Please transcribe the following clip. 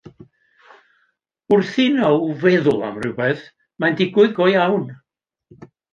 Wrth i Now feddwl am rywbeth, mae'n digwydd go iawn.